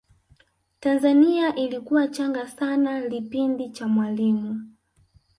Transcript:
tanzania ilikuwa changa sana lipindi cha mwalimu